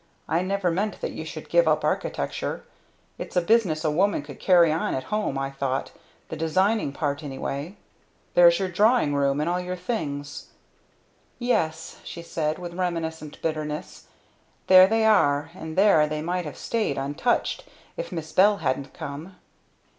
I never meant that you should give up architecture that's a business a woman could carry on at home I thought, the designing part anyway. There's your 'drawing room' and all your things " "Yes," she said, with reminiscent bitterness, "there they are and there they might have stayed, untouched if Miss Bell hadn't come!"